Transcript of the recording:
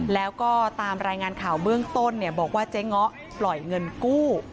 แล้วก็ตามรายงานข่าวเบื้องต้นบอกว่าเจ๊ง้อปล่อยเงินกู้